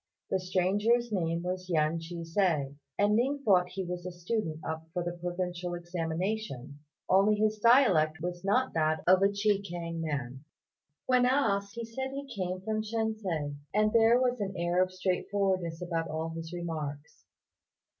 The stranger's name was Yen Ch'ih hsia, and Ning thought he was a student up for the provincial examination, only his dialect was not that of a Chekiang man. On being asked, he said he came from Shensi; and there was an air of straightforwardness about all his remarks.